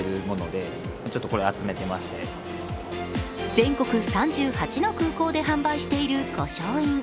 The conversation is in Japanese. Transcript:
全国３８の空港で販売している御翔印。